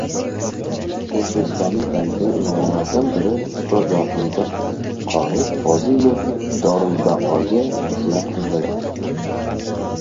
O‘zbekistonning taniqli ulamolaridan biri ustoz Yorqinjon qori Fozilov dorulbaqoga rihlat qildilar.